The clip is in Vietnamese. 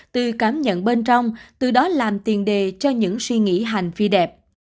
từ cảm nhận bên trong từ đó làm tiền đề cho những suy nghĩ hành phi đẹp